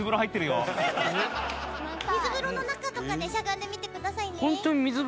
水風呂の中とかでしゃがんでみてくださいね。